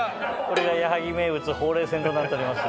これが矢作名物ほうれい線となっております。